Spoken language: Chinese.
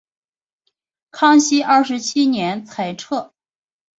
康熙二十七年裁撤。